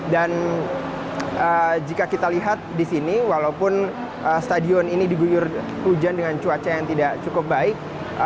dan jika kita lihat di sini walaupun stadion ini diguyur hujan dengan cuaca yang tidak cukup baik